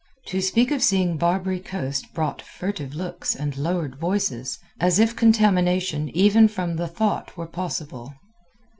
To speak of seeing Barbary Coast brought furtive looks and lowered voices, as if contamination even from the thought were possible.